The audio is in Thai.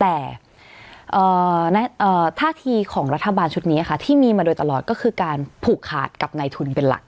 แต่ท่าทีของรัฐบาลชุดนี้ค่ะที่มีมาโดยตลอดก็คือการผูกขาดกับในทุนเป็นหลัก